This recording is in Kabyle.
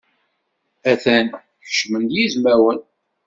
Atan kecmen-d yizmawen.